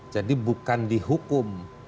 jadi bukan dihukum